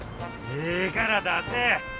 ええから出せ！